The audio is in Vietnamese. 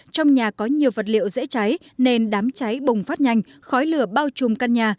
trong nhà có nhiều vật liệu dễ cháy nên đám cháy bùng phát nhanh khói lửa bao trùm căn nhà